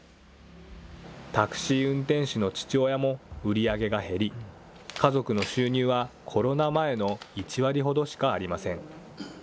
タクシー運転手の父親も売り上げが減り、家族の収入はコロナ前の１割ほどしかありません。